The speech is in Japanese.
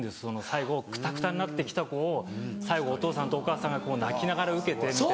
最後くたくたになって来た子を最後お父さんとお母さんが泣きながら受けてみたいな。